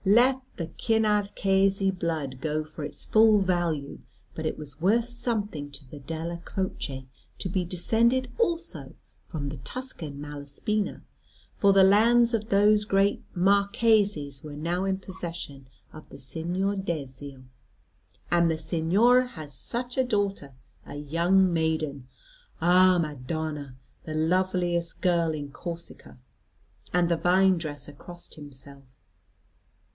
"Let the Cinarchesi blood go for its full value; but it was worth something to the Della Croce to be descended also from the Tuscan Malaspina; for the lands of those great Marquises were now in the possession of the Signor Dezio. And the Signor had such a daughter, a young maiden. Ah, Madonna! The loveliest girl in Corsica. And the vine dresser crossed himself.